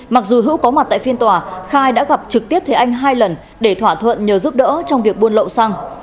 mặc dù hữu có mặt tại phiên tòa khai đã gặp trực tiếp thế anh hai lần để thỏa thuận nhờ giúp đỡ trong việc buôn lậu xăng